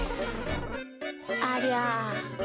ありゃ。